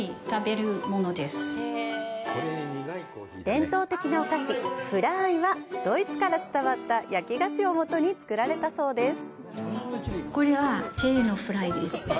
伝統的なお菓子フラーイはドイツから伝わった焼き菓子を元に作られたそうです。